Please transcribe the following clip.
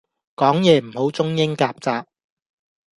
講野唔好中英夾雜